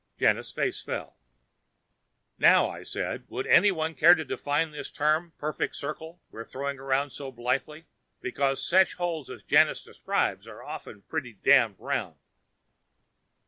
Janus's face fell. "Now," I said, "would anyone care to define this term 'perfect circle' we're throwing around so blithely? Because such holes as Janus describes are often pretty damned round."